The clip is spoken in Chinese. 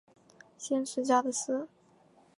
县治加的斯。